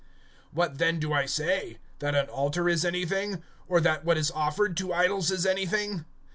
(19)What then do I say? That an idol is anything, or that what is offered to idols is anything?